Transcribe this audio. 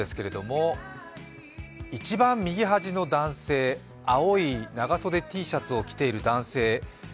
一番右端の男性、青い長袖Ｔシャツを着ている男性。